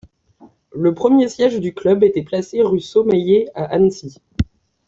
Le premier siège du Club était placé rue Sommeiller à Annecy.